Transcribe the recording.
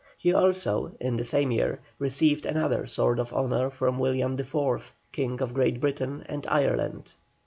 He also in the same year received another sword of honour from William IV., King of Great Britain and Ireland.